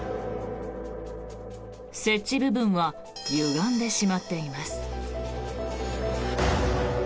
設置部分はゆがんでしまっています。